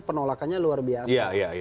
penolakannya luar biasa